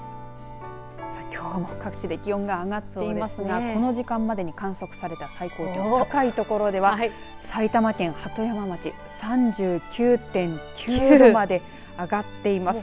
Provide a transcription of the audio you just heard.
きょうも各地で気温が上がっていますがこの時間までに観測された最高気温、高い所では埼玉県鳩山町３９．９度まで上がっています。